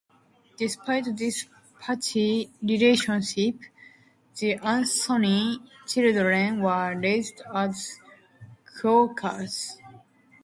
Despite this patchy relationship, the Anthony children were raised as Quakers.